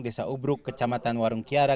desa ubruk kecamatan warung kiara